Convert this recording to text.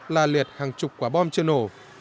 là liệt hàng chục quả bom chưa nổ